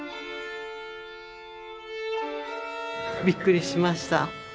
びっくりしました。